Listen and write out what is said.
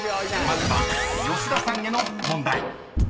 ［まずは吉田さんへの問題］